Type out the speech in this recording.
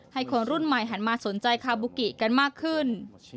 คนรุ่นใหม่หันมาสนใจคาบุกิกันมากขึ้น